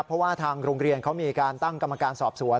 เพราะว่าทางโรงเรียนเขามีการตั้งกรรมการสอบสวน